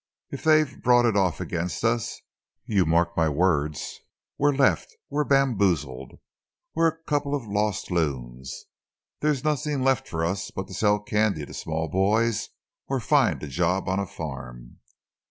If they've brought it off against us, you mark my words, we're left we're bamboozled we're a couple of lost loons! There's nothing left for us but to sell candy to small boys or find a job on a farm."